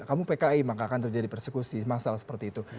kamu pki maka akan terjadi persekusi masalah seperti itu